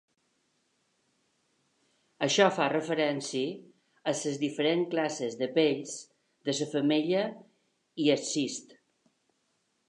Això fa referència a les diferents classes de 'pells' de la femella i el cist.